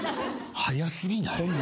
早過ぎない？